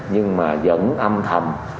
nhưng mà vẫn âm thầm